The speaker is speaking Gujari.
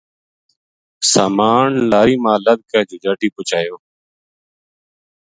سامان لاری ما لد کے جوجاٹی پوہچایو